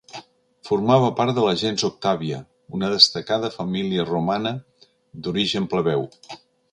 Formava part de la gens Octàvia, una destacada família romana d'origen plebeu.